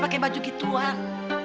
pake baju gituan